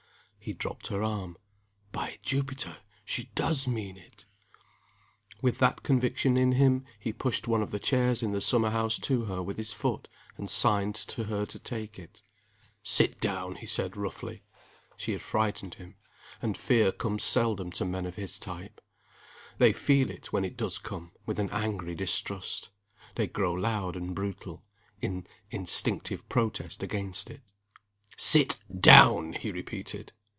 He dropped her arm. "By Jupiter, she does mean it!" With that conviction in him, he pushed one of the chairs in the summer house to her with his foot, and signed to her to take it. "Sit down!" he said, roughly. She had frightened him and fear comes seldom to men of his type. They feel it, when it does come, with an angry distrust; they grow loud and brutal, in instinctive protest against it. "Sit down!" he repeated.